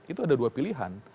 itu ada dua pilihan